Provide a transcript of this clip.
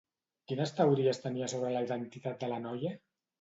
Quines teories tenia sobre la identitat de la noia?